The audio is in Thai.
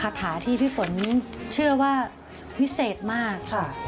คาถาที่พี่ฝนเชื่อว่าพิเศษมากค่ะ